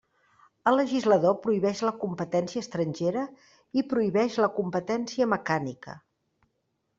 El legislador prohibeix la competència estrangera i prohibeix la competència mecànica.